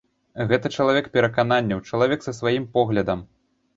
Гэта чалавек перакананняў, чалавек са сваім поглядам.